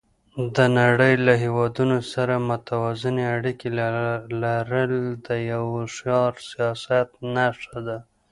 د نړۍ له هېوادونو سره متوازنې اړیکې لرل د یو هوښیار سیاست نښه ده.